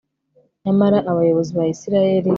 nyamara abayobozi ba isirayeli